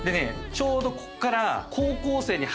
ちょうどここから。